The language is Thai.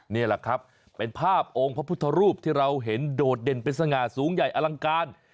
นี่แหละครับเป็นภาพองค์พระพุทธรูปที่เราเห็นโดดเด่นเป็นสง่าสูงใหญ่อลังการ